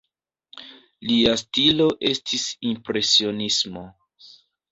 Lia stilo estis impresionismo.